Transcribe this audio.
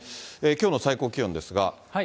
きょうの最高気温ですが。